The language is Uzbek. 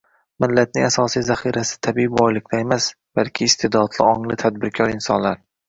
Millatning asosiy zaxirasi — tabiiy boyliklar emas, balki iste’dodli, ongli, tadbirkor insonlar.